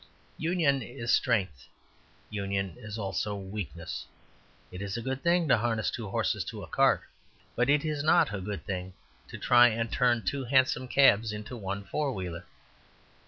Union is strength; union is also weakness. It is a good thing to harness two horses to a cart; but it is not a good thing to try and turn two hansom cabs into one four wheeler.